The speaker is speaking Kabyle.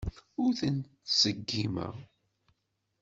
Ur ten-ttṣeggimeɣ.